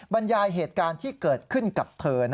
บรรยายเหตุการณ์ที่เกิดขึ้นกับเธอ